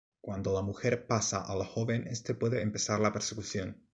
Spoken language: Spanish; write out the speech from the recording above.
Cuándo la mujer pasa al joven, este puede empezar la persecución.